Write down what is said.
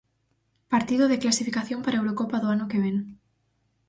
Partido de clasificación para a Eurocopa do ano que vén.